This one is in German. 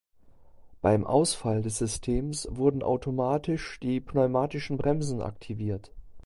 Beim Ausfall des Systems wurden automatisch die pneumatischen Bremsen aktiviert.